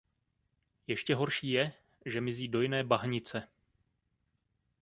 Ještě horší je, že mizí dojné bahnice.